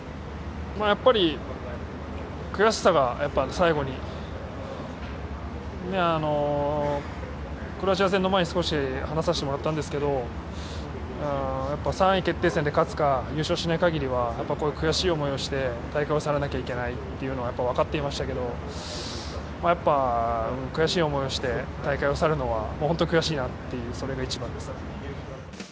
やっぱり悔しさが最後にクロアチア戦の前に少し話させてもらったんですけど３位決定戦で勝つか優勝しないかぎりはこうやって悔しい思いをして大会を去らなきゃいけないというのは分かっていましたけれど悔しい思いをして大会を去るのは本当に悔しいなってそれが一番ですね。